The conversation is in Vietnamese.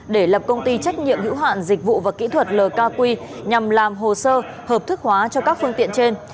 để lập công ty trách nhiệm hữu hạn dịch vụ và kỹ thuật lk nhằm làm hồ sơ hợp thức hóa cho các phương tiện trên